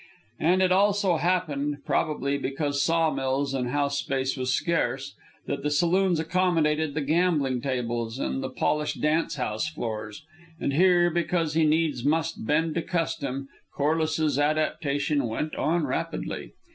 And it so happened, probably because saw mills and house space were scarce, that the saloons accommodated the gambling tables and the polished dance house floors. And here, because he needs must bend to custom, Corliss's adaptation went on rapidly.